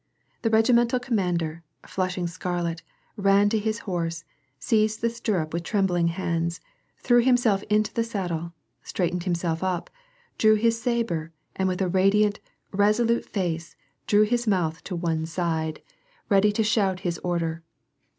The regimental commander, flushing scarlet, ran to his horse, seized the stirrup with trembling hands, threw himself into the saddle, straightened himself up, drew his sabre, and with a radiant, resolute face, drew his moifth to one side, ready to WAR AND PEACE, 135 shout his order.